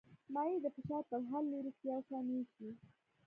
مایع د فشار په هر لوري کې یو شان وېشي.